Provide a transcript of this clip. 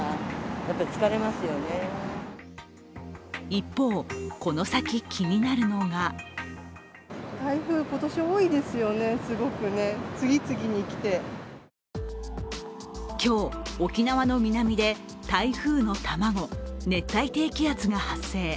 一方、この先気になるのが今日、沖縄の南で台風の卵熱帯低気圧が発生。